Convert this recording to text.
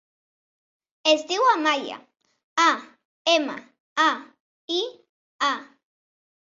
Es diu Amaia: a, ema, a, i, a.